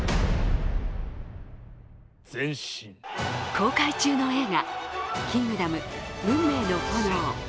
公開中の映画「キングダム運命の炎」。